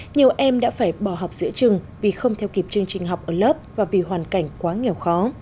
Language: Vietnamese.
nhiều em đã phải bỏ học giữa trường vì không theo kịp chương trình học ở lớp và vì hoàn cảnh quá nghèo khó